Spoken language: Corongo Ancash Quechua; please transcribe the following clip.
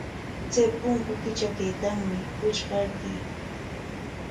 Chay punku kitrakaykanmi, witrqaykuy.